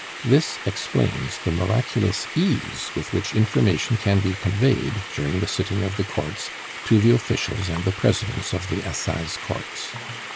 This explains the miraculous ease with which information can be conveyed, during the sitting of the Courts, to the officials and the presidents of the Assize Courts.